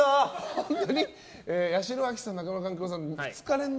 本当に八代亜紀さん中村勘九郎さん